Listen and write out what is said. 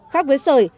khác với sởi